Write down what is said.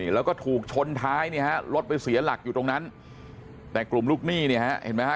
แล้วก็ถูกชนท้ายเนี่ยฮะรถไปเสียหลักอยู่ตรงนั้นแต่กลุ่มลูกหนี้เนี่ยฮะเห็นไหมฮ